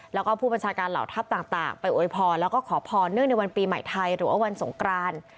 แล้วก็ผู้บัญชาการเหล่าทัพต่างไปอวยพรแล้วก็ขอพรเนื่องในวันปีใหม่ไทยหรือว่าวันสงกราน